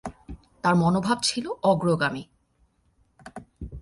তার মনোভাব ছিল অগ্রগামী।